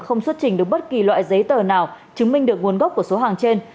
không xuất trình được bất kỳ loại giấy tờ nào chứng minh được nguồn gốc của số hàng trên